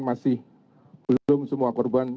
masih belum semua korban